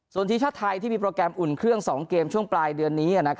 ส่วนทีมชาติไทยที่มีโปรแกรมอุ่นเครื่อง๒เกมช่วงปลายเดือนนี้